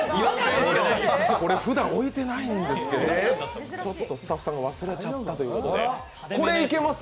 これ、ふだん置いてないんですけどもちょっとスタッフさんが忘れちゃったということでこれ、いけます？